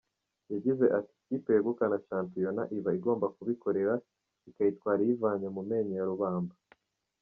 Yagize ati“Ikipe yegukana shampiyona iba igomba kubikorera, ikayitwara iyivanye mu menyo ya rubamba.